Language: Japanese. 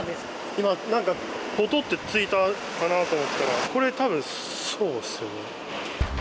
今、ポトッてついたかなと思ったらこれ、多分そうですよね。